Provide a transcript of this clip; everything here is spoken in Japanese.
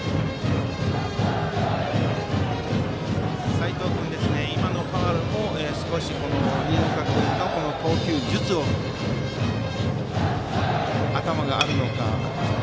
齋藤君、今のファウルも少し新岡君の投球術の頭があるのか。